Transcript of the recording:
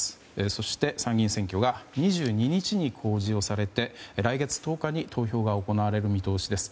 そして参議院選挙が２２日に公示をされて来月１０日に投票が行われる見通しです。